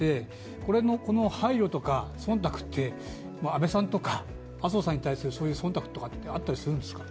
この配慮とか忖度って、安倍さんとか麻生さんに対するそういう忖度ってあったりするんですか？